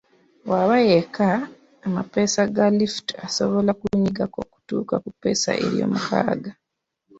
Bw'aba yekka, amapeesa ga lifuti asobola kunyigako kutuuka ku ppeesa eryomukaaga.